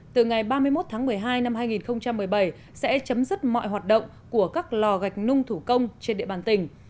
từ ngày ba mươi một tháng một mươi hai năm hai nghìn một mươi bảy sẽ chấm dứt mọi hoạt động của các lò gạch nung thủ công trên địa bàn tỉnh